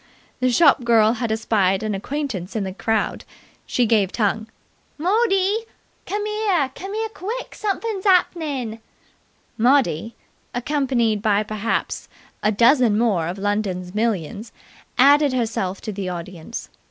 The shop girl had espied an acquaintance in the crowd. She gave tongue. "Mordee! Cummere! Cummere quick! Sumfin' hap'nin'!" Maudie, accompanied by perhaps a dozen more of London's millions, added herself to the audience.